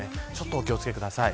お気を付けください。